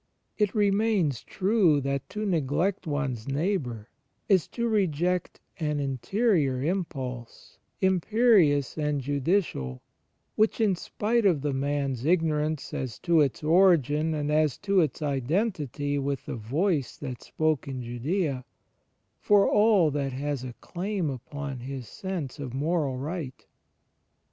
It remains true that ^ John i : 9. 96 THE FRIENDSHIP OF CHRIST to neglect one's neighbour is to reject an interior impulse, imperious and judicial, which, in spite of the man's ignorance as to its origin and as to its identity with the Voice that spoke in Judea, for all that has a claim upon his sense of moral right.